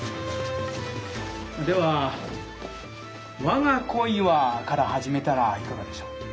では「我が恋は」から始めたらいかがでしょう。